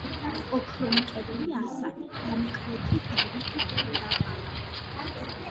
ოქრომჭედელი ასათი, დამკვეთი დავით კურაპალატი.